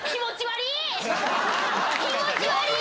気持ち悪い！